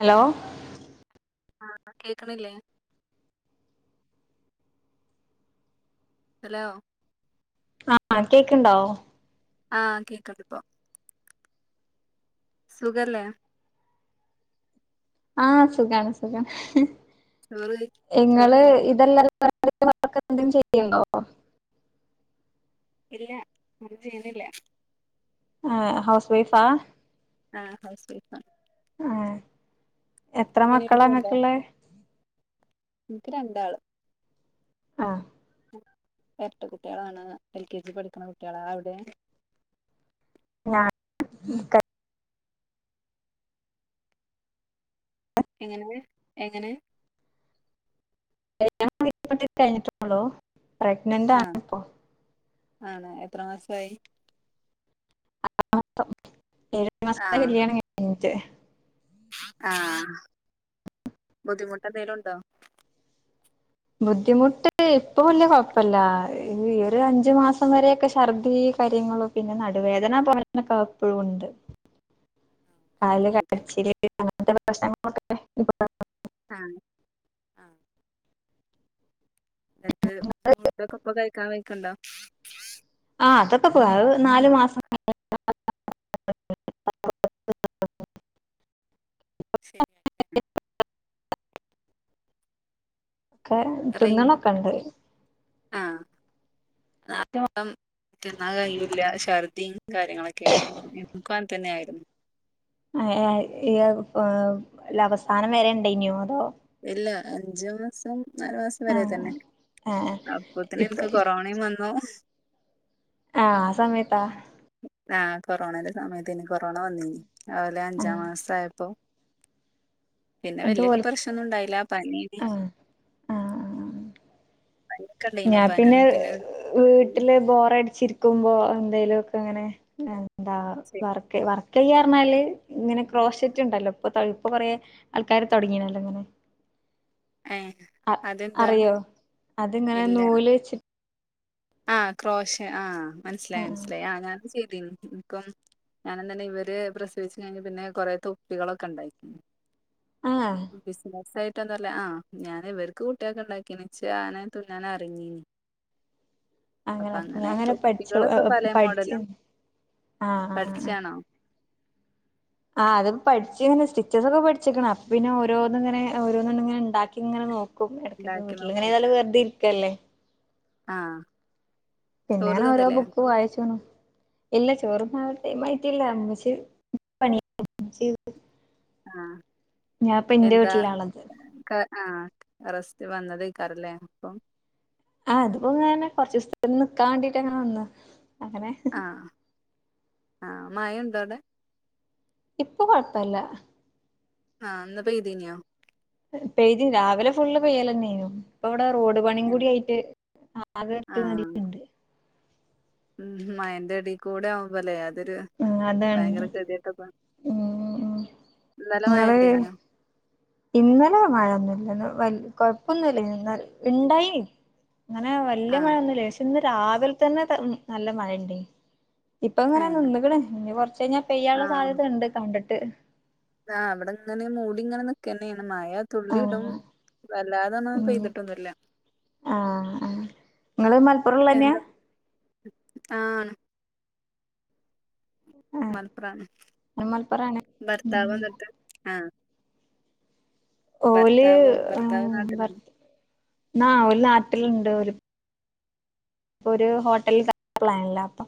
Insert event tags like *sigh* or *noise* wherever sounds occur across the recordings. Hello- ആഹ് കേക്കണില്ലേ- hello - ആഹ് കേക്ക്ണ്ടോ- ആഹ് കേക്ക്ണ്ട് പ്പൊ- സുഖല്ലേ- ആഹ് സുഖാണ് സുഖം ചോറ് കഴി ഇങ്ങള് ചോറുണ്ണോ ഇതെല്ലാം- *unintelligible* എന്തും ചെയ്യ്ണ്ടോ ഇല്ല ഒന്നും ചെയ്യ്ന്നില്ല- ആഹ് ഹൗസ് വൈഫാ- ആഹ് ഹൗസ് വൈഫാ- ഏഹ് എത്ര നിങ്ങളെന്തേലും മക്കളാങ്ങക്കുള്ളെ? ഇൻക് രണ്ടാള്- ആഹ് - എരട്ട കുട്ടികളാണ് എൽ കെ ജി പഠിക്കണ കുട്ടികളാ അവിടെ- *unintelligible* എങ്ങനെ എങ്ങനെ- കല്യാണം ഇപ്പൊ കഴിഞ്ഞിട്ടള്ളൂ പ്രഗ്നന്റ് ആണ് ഇപ്പോ- ആണോ എത്ര മാസയി- *unintelligible* ഏഴ് മാസത്തെ ആഹ് കല്യാണം കഴിഞ്ഞിട്ട്- ആഹ് ബുദ്ധിമുട്ട് എന്തേലും ഉണ്ടോ? ബുദ്ധിമുട്ട് ഇപ്പൊ വല്യ കൊയപ്പല്ല ഇനിയേറിയ അഞ്ച് മാസം വരെയൊക്കെ ഛർദി കാര്യങ്ങളോ പിന്നെ നടുവേദന *unintelligible* ഉണ്ട് *inaudible* കാൽ *inaudible* ആ ആ ന്നട്ട് ഫുഡൊക്കെ പ്പൊ കയ്ക്കാൻ വെയ്ക്ണ്ടോ? *unintelligible* നാല് മാസം *inaudible* ശെര്യന്നെ ക്കെ തിന്നണൊക്കെണ്ട് ആ തിന്നാൻ കയ്യൂല ഛർദിം കാര്യങ്ങളൊക്കെ *unintelligible* ഇൻക്കും അങ്ങൻതെന്നെയായിരുന്നു. *unintelligible* ല്ല അവസാനം വരെ ഇണ്ടയിനോ അതോ ഇല്ല അഞ്ച് മാസം നാല് മാസം വരെ ആഹ് തെന്നെ ആഹ് അപ്പത്തിന് ഇപ്പൊ ഇൻക്ക് കൊറോണിം വന്നു. ആഹ് ആ സമയത്താ. ആഹ് കൊറോണന്റെ സമയതെയ്നിം കൊറോണ വന്നിനി ഓലെ അഞ്ചാം ആഹ് മാസ ആയപ്പൊ പിന്നെ എന്നിട്ട് വല്യൊക്കെ ഓൽക്ക് പ്രശ്നൊന്നും ഇണ്ടായില്ല പനീയെയ്നിം ആഹ് ആഹ് ഞാൻ പിന്നെ വീട്ടില് ബോറ ചിരിക്കുമ്പോ എന്തേലൊക്കെങ്ങനെ എന്താ വർക്കെ വർ കൈ പറഞ്ഞാല് ഇങ്ങനെ ക്രോസ് സെറ്റ്ണ്ടല്ലോ ഇപ്പൊ ഇപ്പൊ കൊറേ ആൾക്കാാര് തൊടങ്ങിണല്ലോ ഇങ്ങനെ *inaudible* ഏ അ അതെന്താ അറിയോ അതിങ്ങനെ ഇല്ല നൂല് വെച്ചിട്ട് ആ ക്രോശ ആ മനസ്സിലായി ആഹ് മനസ്സിലായി ആഞാനത് ചെയ്തീനു ൻക്കും ഞാനുംതെന്നെ ഇവരെ പ്രസവിച്ചു കഴിഞ് പിന്നെ കൊറേ തൊപ്പികളൊക്കെണ്ടാക്കി. ആഹ് കൃസ്മസായി *unintelligible* ആഹ ഞാൻ ഇവർക്ക് കുട്ടിയൊക്കെ ഉണ്ടാക്കീനിം ഇച്ച് ആദ്യം തുന്നാൻ അറിഞ്ഞിനിം അങ്ങനെകങ്ങനെ പഠിച്ചു പല *unintelligible* പഠിച്ച് മോഡലും ആ ആ പഠിച്ചാണോ ആ അത് പഠിച്ച്കണ് സ്റ്റിച്ചസ്‌ ഒക്കെ ആ ആ.. പഠിച്കണ് *unintelligible* അപ്പോ പിന്നെ ഓരോന്ന് ഇങ്ങനെ ഓരോന്ന് ഇണ്ടാക്കി ഇങ്ങനെ നോക്ക *unintelligible* ഉണ്ടാക്കി നിങ്ങൾ ഇങ്ങനെ ഏതാലും വെറുതെ ഇരിക്കല്ലേ ആ പിന്നെങ്ങനെ ഓരോ ബുക്ക് വായിച്ച്ണു ഇല്ലാ ചോറ്ന്നാൻ ടൈം ആയിട്ടില്ല ഇമ്മച്ചി പ *unintelligible* ആഹ് ഞാപ്പൊ ഇന്റെ വീട്ടിലാള്ളത് ആ റസ്റ്റിന് വന്നതായിക്കാരം ഇല്ലേ ആ അത് അപ്പൊ കൊറച്ച് ദിവസത്തേക്ക് നിക്കാൻ വേണ്ടിട്ട് വന്നതാ അങ്ങനെ- ആ മഴയുണ്ടോ അവിടെ? ഇപ്പൊ കൊഴപ്പല്ല ആ ഇന്ന് പെയ്‌തീനോ പെയ്തിന് രാവിലെ ഫുള്ള് പെയ്യലെന്നെയ്നു ഇപ്പ ഇവിടെ റോഡ് പണിം കൂടിയായിട്ട് ആഹ് *unintelligible* ഉം മയന്റെ എടീകൂടെ ആവുമ്പൊലെ അത് അത് ഉം അതാണ് ഭയങ്കര ഗതികെട്ടപ്പോ ഉം *unintelligible* ഇന്നലെ ഇങ്ങള് മയണ്ടയ്നൊ ഇന്നലെ മഴൊന്നുല്ല *unintelligible* കൊഴപ്പൊന്നില്ലയിനിം ഇണ്ടായിനിം അങ്ങനെ വല്ല്യ ആഹ് മഴന്നുല്ലയ്നിം പക്ഷേ ഇന്ന് രാവിലെ തന്നെ മ് നല്ല മഴയുണ്ടയ്നിം ഇപ്പങ്ങനെ ഏഹ് നിന്ന്ക്ക്ണ് കൊറച്ചയ്ഞ്ഞാ പെയ്യാള്ള സാധ്യത ഇണ്ട് കണ്ടിട്ട് ആ ഇവിടെ ഇങ്ങനെ മൂടിങ്ങനെ നിക്കെന്നേണ് മഴ തുള്ളിടും ആഹ് വല്ലാതൊന്നും ഉം പെയ്തിട്ടൊന്നുല്ല ആഹ് ഇങ്ങള് മലപ്പുറംള്ളന്നെയാ ആഹ് ആഹ് മലപ്പുറാണ്. ഞാനും മലപ്പുറാണ് ഉം ഭർത്താവ് *unintelligible* ആഹ് ഓല് ഭർത്താവോ ഉം ഭർത്താവ് നാട്ടിലാണ് ഭർത്ത് ആ ഓല് നാട്ടില് ണ്ടോല് ഇപ്പൊര് ഹോട്ടല് *unintelligible* പ്ലാനില്ലപ്പൊ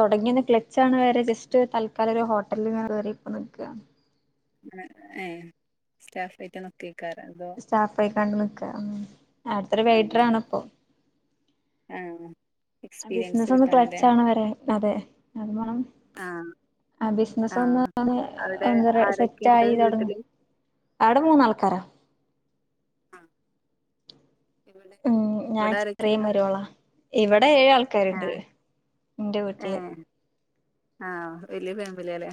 തൊടങ്ങിയൊന്ന് ക്ലച്ചാവ്ണെ വരെ ജസ്റ്റ് തൽക്കാലം ഒര് ഹോട്ടലിൽ കയറി ഇപ്പൊ നിക്കാണ്. ഏഹ് സ്റ്റാഫായിട്ട് നിക്കേക്കാരം അതോ? ക്കൺ നിക്കാ ഉം അട്ത്തൊരു ആഹ് വൈറ്ററാണിപ്പോ. ആഹ് എക്സ്പീരിയൻസ് ബിസിനസൊന്ന് കിട്ടാനല്ലേ ക്ലച്ചാണെ വെരെ അതെ അത്‌വാണം. ആഹ് ആഹ് ബിസിനസൊന്ന് ആഹ് അവിടെ എന്താറ്യാ ആരൊക്കെയുണ്ട് സെറ്റായി തൊടങ്ങും. വീട്ടില് അവടെ മൂന്നാൾക്കാരാ. ആ ഇവിടെ ഉം ഞാൻ ഇവിടെ ചെറിയ ആരൊക്കെയുണ്ട് മരോള. *unintelligible* ഇവിടെ ഏഴ് ആൾക്കാരുണ്ട് ആഹ് ഇന്റെ വീട്ടില് ആഹ വല്യ ഫാമിലിലല്ലേ?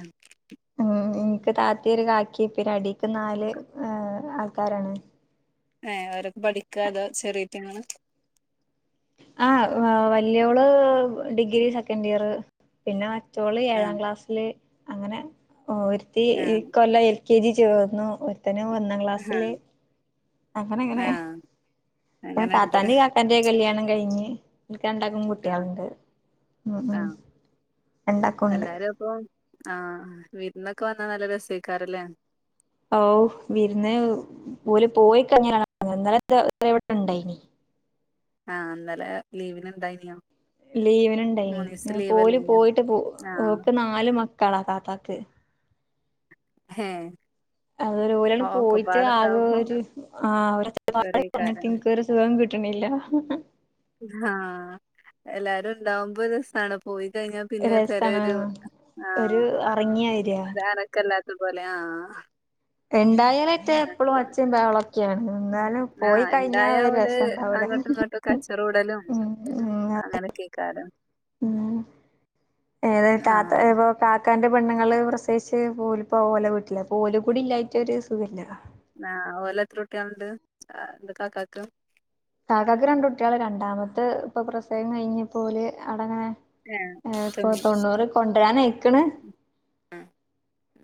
ഉം എനിക്ക് താത്തീം ഒരു കാക്കി പിന്നെ അടിക്ക് നാല് ഹ് ആൾക്കാരാണ്. ഏ അവരൊക്കെ പഠിക്ക അതോ ചെറിറ്റങ്ങളാ? *unintelligible* ആ വലയോള് ഡിഗ്രി സെക്കൻഡ് ഇയർ പിന്നെ മറ്റോൾ ഏഴാം ആഹ് ക്ലാസ്സിൽ അങ്ങനെ ഒരുത്തി ഈ ആഹ് കൊല്ലം എൽ കെ ജി ചേർന്നു. ഒരുത്തൻ ഒന്നാം ക്ലാസ്സില് അങ്ങന അങ്ങനെ, ആഹ് അങ്ങനെണ്ട് താത്താന്റെയും കാക്കാന്റെ കല്യാണം കഴിഞ്ഞ് ഓൽക്ക് രണ്ടാക്കും കുട്ടികള് കുട്ടിളാണ്ട് ഉം ഉം ആഹ് രണ്ടാക്കുണ്ട് എല്ലാരും ഇപ്പൊ ആഹ വീരുന്നൊക്കെ വന്നാ നല്ല രസിക്കാരല്ലേ? ഹാവൂ വിരുന്ന് ഓല് പോയിക്കഴിഞ്ഞാലാണ് പണി ഇന്നെലക്കെ ഇതവരെ ഇവിടെ ഇണ്ടായിനി. ഇല്ല ലീവിനുണ്ടായിനോ? ലീവന്ണ്ടായിനി പോലും പോയിട്ട് പോ ആഹ് ഓക്ക് നാല് മക്കളാ താത്താക്ക്. ഹേ ഒലണ് പോയിട്ട് അത് ഒക്കെപാടെണ്ടാവുമ്പോ ഒരു ആ ഒച്ചപാട്‌ കൊറഞ്ഞിട്ട് ഏറെയ്ക്കാരം എനിക്ക് ഒരു സുഖം കിട്ട ട്ട്ണില്ല. *unintelligible* ആഹ എല്ലാരും ഇണ്ടാവുമ്പോ രസാണ് പോയി കഴിഞ്ഞ പിന്നെ രസാണ് പെരെല് ആ ഒരു അറങ്ങിയ വരിയാ അനക്കല്ലത്തെ അതുപോലെ ആഹ ഇണ്ടായ അയിറ്റഎപ്പഴും ഒച്ചം ബഹളൊക്കെയാണ് എന്നാലും പോയി ആഹ് കഴിഞ്ഞാ ഒരു രസണ്ടാവൂല്ല. കച്ചറുടലും അങ്ങനെയൊക്കെകാരം. *unintelligible* ഏ തത്തപ്പോ കാ *unintelligible* കക്കാൻന്റെ പെണ്ണ്ങ്ങള് പ്രസയിച്ച് ഓല്‌പ്പോ ഓലെ വീട്ടില്ലപ്പലും കൂടി ഇല്ലായിട്ടൊരു സുഖല്ല. ആഹ ഓലത്ര കുട്ടാള്ണ്ട് അന്റെ കാക്കക്ക്. കാക്കക്ക് രണ്ട് കുട്ടികള് രണ്ടാമത്ത് ഇപ്പൊ പ്രസവം കഴിഞ്ഞ് പോല് അവിടെ അങ്ങനെ- ഹ്ഇപ്പൊ ഏഹ് തൊണ്ണൂറ് കൊണ്ടരാനയ്ക്കണ്.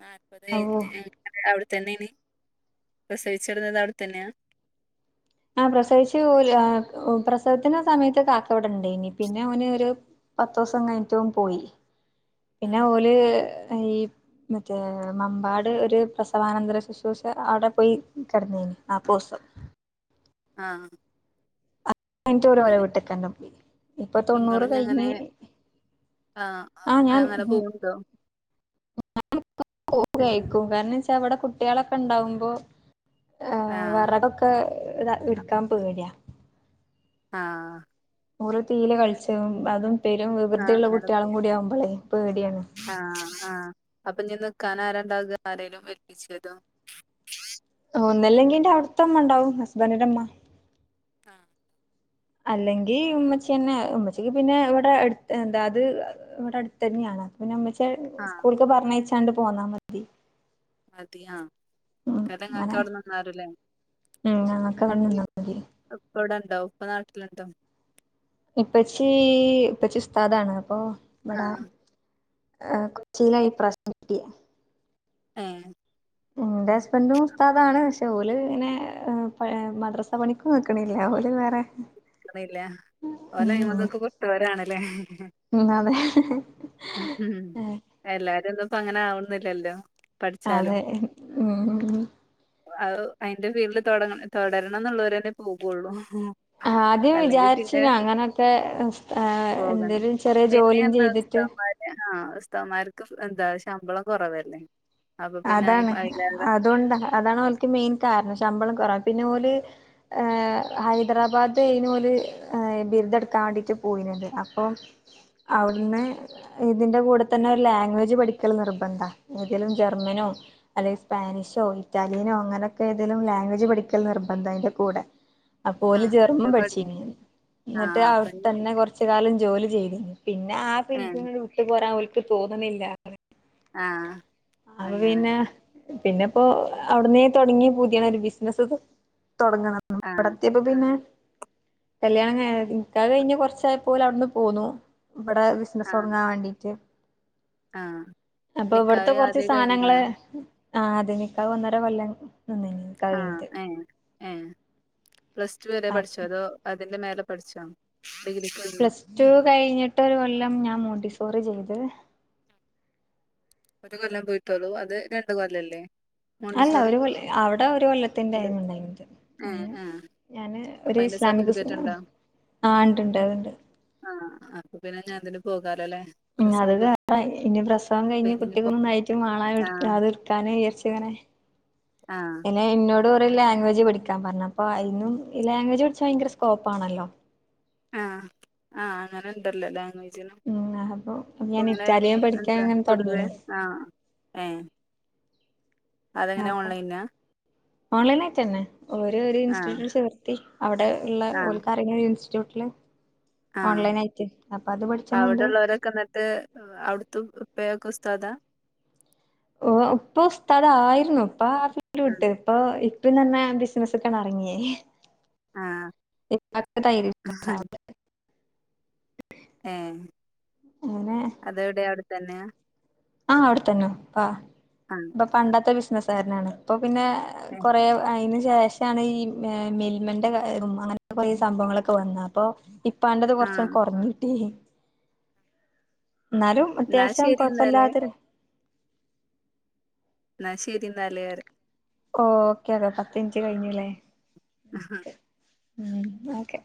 നാൽപത് കഴിഞ്ഞ് ഉം അവര് അവിടെതന്നെനി പ്രസവിച്ചെടുന്നത് അവിടെത്തന്നെയാ? ആഹ പ്രസവിച്ചു ഓല്‌പ്രസവത്തിന്റെ സമയത്ത് കാക്ക ഇവിടണ്ടയിനി പിന്നെ ഓനെരു പത്ത് ദിവസം കഴിഞ്ഞിട്ട് ഓൻപോയി പിന്നെ ഓൽ ഈ മറ്റേ മമ്പാട് ഒരു പ്രസവാനന്ദര ശുശ്രൂഷ അവിടെ പോയി. കിടന്നീനീ നാല്പത് ദിവസം ആഹ അഹ് കഴിഞ്ഞിട്ട് ഓലെ വിട്ടക്കന്നെ പോയി ഇപ്പൊ തൊണ്ണൂറ് കഴിഞ്ഞ് ആഹ ആ ഞാൻ അങ്ങനെ പോവുണ്ടോ? *unintelligible* കാരണം വെച്ചാ അവിടെട്ട കുട്ടികളൊക്കെ ഉണ്ടാകുമ്പോ ആഹ് വിറകൊക്കെ എടുക്കാൻ പേടിയാ ആഹ ഓല തീയിൽ കളിച്ചും അതും പെരും വിവൃതിയുള്ള കുട്ടികളും കൂടി ആവുമ്പോളേ- പേടിയാണ് ആഹ ആഹ, അപ്പൊനിക്കാൻ ആരാണ്ടാകുക ആരേലും ഏൽപ്പിക്ക- ഒന്നല്ലെങ്കിന്റെ അവിടുത്തെ അമ്മ ഉണ്ടാവും ഹസ്ബൻറിന്റെമ്മ ആഹ അല്ലെങ്കി ഉമ്മച്ചിന്നെ ഉമ്മച്ചക്ക് പിന്നെ ഇവിടെ അടുത്ത് ഇവിടെ അടുത്ത തന്നെയാണ് പിന്നെമ്മച്ച ആഹ് സ്കൂളക്ക് പറഞ്ഞച്ചാണ്ട് പോന്നാ മതി അതിയാ ഉം കഥങക് അങ്ങനെ അവിടെ *unintelligible* ഉം അവിടെ നിന്നാ മതി ഇപ്പ ഇവിടെയുണ്ടോ ഉപ്പ നാട്ടിലുണ്ടോ ഇപ്പച്ചി ഇപ്പച്ചി ഉസ്താദാണ് അപ്പൊ ഇവിട ആഹ് ആ കൊച്ചിയിലായി ഇപ്രാവശ്യം കിട്ടിയേ ഏ എന്റെ ഹസ്ബന്റും ഉസ്താദ് ആണ് പക്ഷെ ഓല് പിന്നെ മദ്രസ പണിക്കും നിക്ക്ണില്ല വേറെ ഓല് ഉം അതിമ്മന്നൊകെ വിട്ടോലാണ് ലേ അതെ ഉം എല്ലാരും ഒന്നും ഇപ്പോ അങ്ങനെ ആവുന്നില്ലല്ലോ പഠിച്ചാലും അതെ ഉം അതിന്റെ ഫീൽഡ്തുടരണം എന്നുള്ളവരന്നെ പോകുള്ളൂ ആദ്യം അല്ലെങ്കിൽ വിചാരിച്ചി പിന്നെ ന്നു അങ്ങനൊക്കെ എന്തേലും ചെറിയ ജോലിയും ചെയ്തിട്ട് ഉസ്തമാർക്ക് എന്താ ശമ്പളം കുറവല്ലേ അപ്പൊ പിന്നെ അയി അതാണ് അയിലേറെ അതുകൊണ്ട് അതാണ് അവൽക്ക് മെയിൻ കാരണം ശമ്പളം കുറവ പിന്നെ ഓല് ഹൈദരാബാദേനു ഓല് ബിരുദെടുക്കാ വാണ്ടിട്ട് പോയിനത് അപ്പം അവിടുന്ന് ഇതിന്റെ കൂടെ തന്നെ ഒരു ലാംഗ്വേജ് പഠിക ല് നിർബന്ധ ഏതേലും ജർമ്മനോ അല്ലെങ്കിൽ സ്പാനിഷോ ഇറ്റാലിയനോ അങ്ങനൊക്കെ ഏതെലും ലാംഗ്വേജ് പഠിക്കൽ നിർബന്ധം അൻ്റെ കൂടെ- അ ആ പോല എന്നിട്ട് ജർമ്മം പഠി പഠിച്ചീനി ആ എന്നിട്ട് അപ്പൊ അവിടെ ഇനി- തന്നെ കുറച്ച് കാലം ജോലി ചെയ്തിന്നി പിന്നെ ആ ഏ ഫീൽട്ന്ന് വിട്ട് പോരാൻ അവൽക്ക് തോന്നുന്നില്ല ആ അപ്പൊ അങ്ങനെ പിന്നെ പിന്നെ ഇപ്പോ അവിട്ന്നേ തുടങ്ങിയ പൂതിയാണ് ഒരു ബിസിനസ് തൊ തുടങ്ങണം ആ ഇവിടെത്തിയപ്പം പിന്നെ കല്യാണംകഴിഞ് നിക്കാഹ് കഴിഞ്ഞ് കുറച്ച് ആയപ്പോൾ അവിട്ന്ന് പോന്നു ഇവിടെബിസിനസ് തുടുങ്ങാൻ വേണ്ടിയിട്ട് ആഹ് നിക്കാഹ് ആദിയെ കഴി ങ്ങള്ൾ ആ അത് നിക്കാഹ് ഒന്നര കൊല്ല- നിന്നീനി നിക്കാഹ് ആ കഴിഞ്ഞിട്ട് പ്ലസ്ടു വരെ പഠിച്ചോ അതോ അതിന്റെ മേലെ പഠിച്ചോ ഡിഗ്രിക്ക് കഴിഞ്ഞോ പ്ലസ് ടു കഴിഞ്ഞിട്ട് ഒരു കൊല്ലം ഞാൻ മോണ്ടിസോ റി ചെയ്ത് ഒരു കൊല്ലം പോയിട്ടോളു അത് രണ്ട് കൊല്ലംല്ലേ അല്ല ഒരുഅവിടെ ഒരു കൊല്ലത്തിന്റെ ആയിന്ന് ഉണ്ടായിണ്ട് ഏ അങ്ങനെ ആ ഞാന് അപ്പൊ ഒരു അതിന്റെ ഇസ്ലാമിക് സർട്ടിഫിക്കറ്റ് ഉണ്ടോ *unintelligible* ആ ഉണ്ട്ണ്ട് അതുണ്ട് ആഹ് അപ്പൊ പിന്നെ ഞാൻ അതിന് പോകാലല്ലെ പ്രസവ പിന്നെ പ്രസവം കഴിഞ്ഞ് കുട്ടി വലുതായിട്ട് മാണം ആഹ് അത്ട്ക്കാന് അത്ട്ക്കാന് ജാരിച്ചിങ്ങനെ ആഹ് പിന്നെ എല്ലോട് ത്തും ലാംഗ്വേജ് പഠിക്കാൻ പറഞ്ഞ അപ്പൊ അന്നും ഈ ലാംഗ്വേജ് പഠിച്ചാ ഭയങ്ക സ്കോപ്പ് ആണല്ലോ ആഹ് ആഹ് അങ്ങനെ ഉണ്ടല്ലോ ലാംഗ്വേജ് ഉം അപ്പൊ ഞാൻ അങ്ങനെ ഇറ്റാലിയൻ പഠിക്കാൻ എന്താ ഇങ്ങനെ പൊതുവെ തുടങ്ങീനി ആഹ് ഏഹ് അതെങ്ങനെ ആപ്പൊ ഓൺലൈനാ ഓൺലൈൻ ആയിട്ടെന്നെ ഓലൊര് ആഹ് ഇൻസ്റ്റിറ്റ്യൂട്ടിൽ ചേർത്തി അവിടെ ഉള്ള ആഹ് ഓൽകറിയുന്ന ഇൻസ്റ്റിറ്റ്യൂട്ടില് ആഹ് ഓൺലൈനായിട്ട് അപ്പൊ അത് പഠിച്ചണുണ്ട് അവിടെള്ളവരൊക്കെ എന്നിട്ട് അവിടുത്ത ഉപ്പയൊക്കെസ് താദാ ഓ ഇപ്പ ഉസ്താദ് ആയിരുന്നു ഇപ്പ ആ ഫീൽഡ് വിട്ട് ഇപ്പൊ ഇപ്പ തന്നെ ബിസിനസ്സിക്ക് ഇറങ്ങിയേ ആഹ് *unintelligible* ഏ അതെവിടെ അവിടെത്തന്നെയാ ആഹ് അവടെത്തന്നെ പ്പാ ആഹ് ഇപ്പ പണ്ടത്തെ ബിസിനെസ്സ്ക്കാരനാണ് പ്പം പിന്നെ ഏഹ് കൊറെ അയ്ന് ശേഷാണ് ഈ ഏഹ് മിൽമന്റെ അങ്ങൻത്തെ കുറെ സംഭവങ്ങളൊക്കെ വന്നെ അപ്പൊ ഇപ്പാന്റെത് കൊർച്ചണ്ട് ആഹ് കൊർഞ്ഞിട്ടി. ന്നാലും എന്നാ അത്യാവശ്യം ശരി എന്നാല് കൊഴപ്പല്ലാത്- ന്നാ ശരി ന്നാല്- ഓ ഓക്കെന്നാ പത്തിൻറ്റ് കഴിഞ്ല്ലേ- *unintelligible* ഓക്കെ-